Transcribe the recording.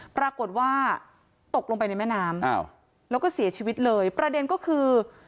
ปรากฏว่าตกลงไปในแม่น้ำอ้าวแล้วก็เสียชีวิตเลยประเด็นก็คือ